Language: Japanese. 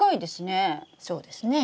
そうですね。